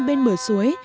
bên bờ suối